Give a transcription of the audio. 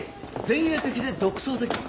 前衛的で独創的。